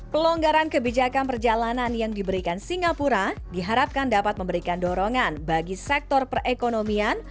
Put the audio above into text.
pelonggaran kebijakan perjalanan yang diberikan singapura diharapkan dapat memberikan dorongan bagi sektor perekonomian